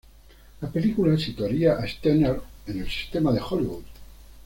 La película situaría a Sternberg en el sistema de Hollywood.